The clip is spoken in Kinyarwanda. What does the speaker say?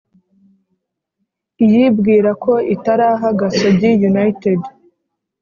iyibwira ko itaraha gasogi united